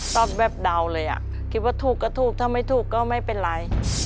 ตอบแบบเดาเลยอ่ะคิดว่าถูกก็ถูกถ้าไม่ถูกก็ไม่เป็นไร